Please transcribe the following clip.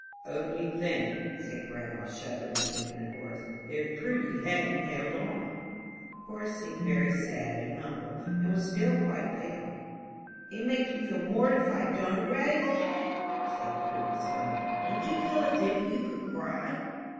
"Only think," said grandma, shuddering, and looking at Horace, "if Prudy hadn't held on!" Horace seemed very sad and humble, and was still quite pale. "It makes you feel mortified, don't it, 'Race?" said Prudy, smiling; "don't you feel as if you could cry?"